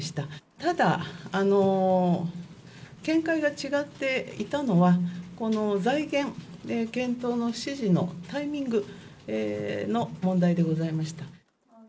ただ、見解が違っていたのは、この財源検討の指示のタイミングの問題でございました。